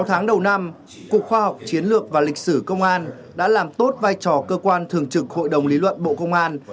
sáu tháng đầu năm cục khoa học chiến lược và lịch sử công an đã làm tốt vai trò cơ quan thường trực hội đồng lý luận bộ công an